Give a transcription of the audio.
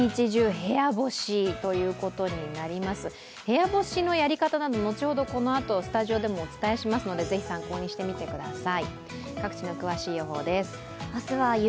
部屋干しのやり方は後ほど、スタジオでもお伝えしますのでぜひ参考にしてみてください。